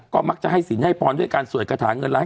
ก็มักจะให้สินให้พรด้วยการสวดกระถาเงินร้าย